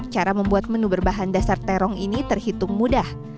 cara membuat menu berbahan dasar terong ini terhitung mudah